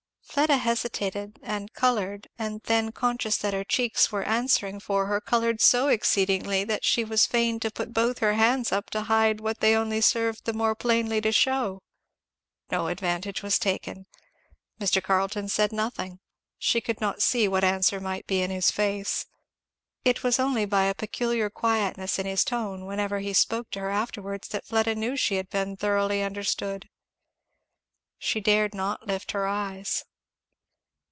Fleda hesitated and coloured, and then conscious that her cheeks were answering for her, coloured so exceedingly that she was fain to put both her hands up to hide what they only served the more plainly to shew. No advantage was taken. Mr. Carleton said nothing; she could not see what answer might be in his face. It was only by a peculiar quietness in his tone whenever he spoke to her afterwards that Fleda knew she had been thoroughly understood. She dared not lift her eyes.